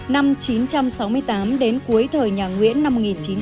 năm chín trăm sáu mươi tám đến cuối thời nhà nguyễn năm một nghìn chín trăm bốn mươi năm